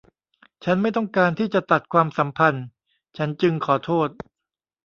ฉันไม่ต้องการที่จะตัดความสัมพันธ์ฉันจึงขอโทษ